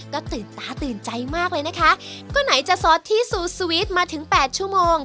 ก็ตื่นตาตื่นใจมากเลยนะคะก็ไหนจะซอสที่สูตรสวีทมาถึงแปดชั่วโมง